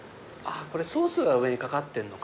これソースが上に掛かってんのか。